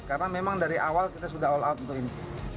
karena memang dari awal kita sudah all out untuk ini